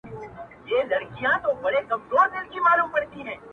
یو یې کندهاری دی